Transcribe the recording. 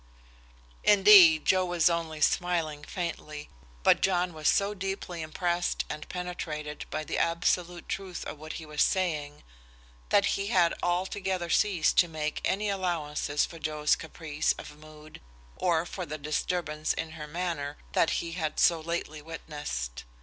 Indeed, Joe was only smiling faintly, but John was so deeply impressed and penetrated by the absolute truth of what he was saying, that he had altogether ceased to make any allowances for Joe's caprice of mood or for the disturbance in her manner that he had so lately witnessed.